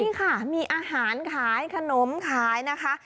นี่ค่ะมีอาหารขายขนมขายนะคะ